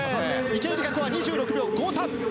池江璃花子は２６秒５３。